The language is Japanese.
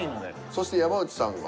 そして山内さんが。